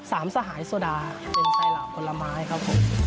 สามสหายโซดาเป็นไซราปลมละไม้ครับ